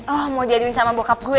oh mau diaduin sama bokap gue ya